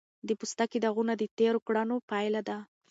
د پوستکي داغونه د تېرو کړنو پایله ده.